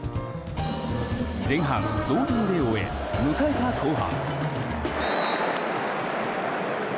前半、同点で終え迎えた後半。